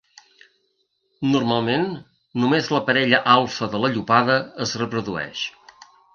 Normalment, només la parella alfa de la llopada es reprodueix.